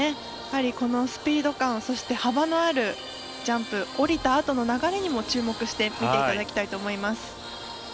このスピード感そして幅のあるジャンプ降りたあとの流れにも注目して見ていただきたいと思います。